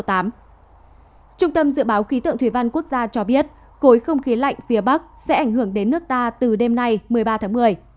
trung tâm dự báo khí tượng thủy văn quốc gia cho biết khối không khí lạnh phía bắc sẽ ảnh hưởng đến nước ta từ đêm nay một mươi ba tháng một mươi